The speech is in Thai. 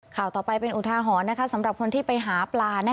ข่าวต่อไปเป็นอุทาหรณ์สำหรับคนที่ไปหาปลา